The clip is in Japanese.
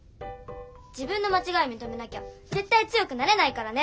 自分のまちがいみとめなきゃぜったい強くなれないからね！